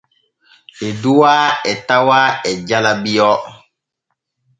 Eduwaa e tawaa e jala Bio.